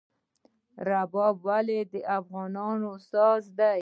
رباب ولې د افغانانو ساز دی؟